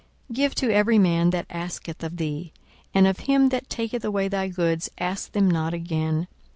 42:006:030 Give to every man that asketh of thee; and of him that taketh away thy goods ask them not again.